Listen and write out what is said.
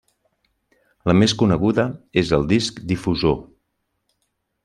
La més coneguda és el Disc difusor.